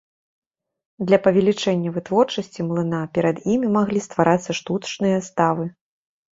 Для павялічэння вытворчасці млына перад імі маглі стварацца штучныя ставы.